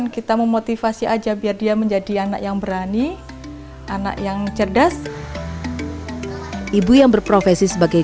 kita memotivasi aja biar dia menjadi anak yang berani anak yang cerdas ibu yang berprofesi sebagai